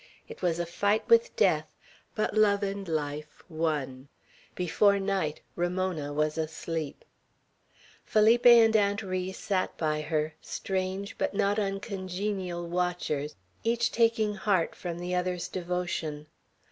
It was a fight with death; but love and life won. Before night Ramona was asleep. Felipe and Aunt Ri sat by her, strange but not uncongenial watchers, each taking heart from the other's devotion.